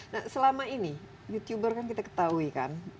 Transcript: nah selama ini youtuber kan kita ketahui kan